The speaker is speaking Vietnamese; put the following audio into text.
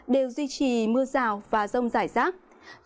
đều duy trì mưa rào và rông rải rác